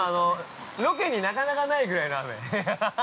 ロケになかなかないぐらいの雨。